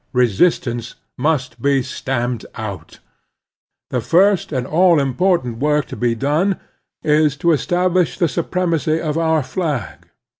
Resistance must be stamped out. The TO:^t and all important work to be done is to estab lish the supremacy of our flag.